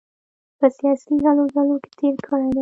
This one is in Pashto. په سیاسي هلو ځلو کې تېر کړی دی.